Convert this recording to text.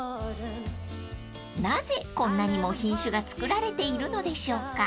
［なぜこんなにも品種が作られているのでしょうか？］